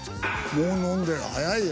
もう飲んでる早いよ。